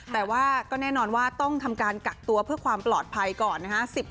แต่ว่าก็แน่นอนว่าต้องทำการกักตัวเพื่อความปลอดภัยก่อนนะฮะ